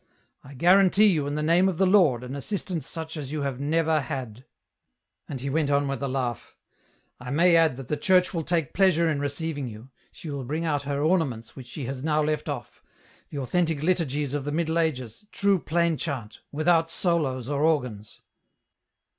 I guarantee you in the name of the Lord an assist ance such as you have never had ;" and he went on with a laugh, "I may add that the Church will take pleasure in receiving you, she will bring out her ornaments which she has now left off: the authentic liturgies of the Middle Ages, true plain chant, without solos or organs."